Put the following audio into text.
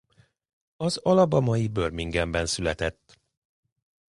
Az alabamai Birminghamben született.